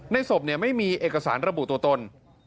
ศพไม่มีเอกสารระบุตัวตน